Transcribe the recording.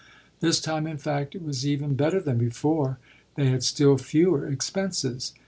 This time in fact it was even better than before they had still fewer expenses.